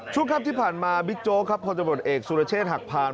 ช่วงครับที่ผ่านมาบิ๊กโจ๊กพอสุรเชษฐ์หักผ่าน